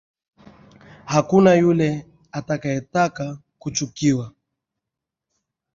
Hakuna yule atakaye taka kuchukiwa